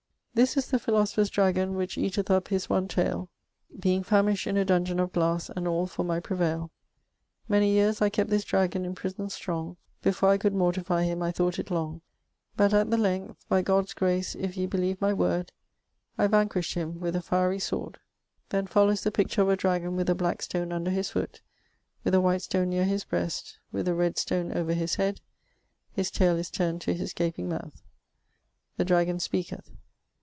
This is the philosopher's dragon which eateth upp his one tayle Beinge famisshed in a doungen of glas and all for my prevayle ny yeres I keapt this dragon in pryson strounge. ore I coulde mortiffy him I thought it lounge at the lenght by God's grace yff ye beleve my worde vanquished him wythe a fyrie sword. [Then followes the picture of a dragon with a black stone under his foot, with a white stone neare his breast, with a red stone over his head: his tayle is turned to his gapeing mouth.] The dragon speketh